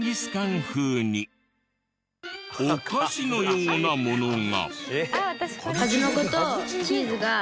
お菓子のようなものが。